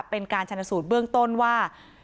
เป็นการชนสูตรเบื้องต้นว่า